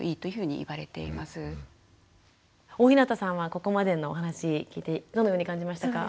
大日向さんはここまでのお話聞いてどのように感じましたか？